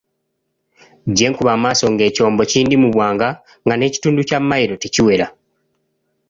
Gye nkuba amaaso nga ekyombo kindi mu bwanga nga n'ekitundu kya mailo tekiwera.